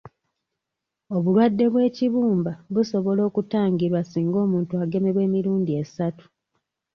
Obulwadde bw'ekibumba busobola okutangirwa singa omuntu agemebwa emirundi esatu